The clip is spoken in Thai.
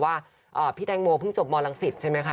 ว่าพี่แตงโมเพิ่งจบมลังศิษย์ใช่ไหมคะ